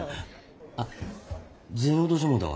あっ銭落としてもうたわ。